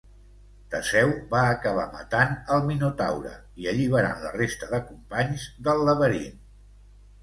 Teseu va acabar matant el Minotaure i alliberant la resta de companys del laberint.